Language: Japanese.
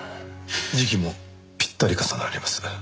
時期もぴったり重なります。